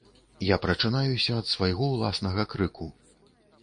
Я прачынаюся ад свайго ўласнага крыку.